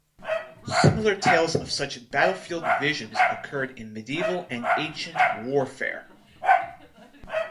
Similar tales of such battlefield visions occurred in medieval and ancient warfare.